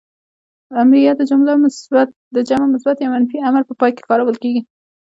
امریه ئ د جمع مثبت يا منفي امر په پای کې کارول کیږي.